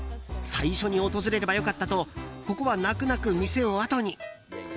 最初に訪れれば良かったとここは泣く泣く店をあとに。